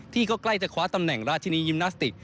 ที่ก็ใกล้จะคว้าตำแหน่งราชินียิมนาสติก